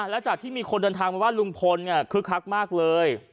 และจากที่มีคนเดินทางมาว่าลุงพลคึกคักมากเลย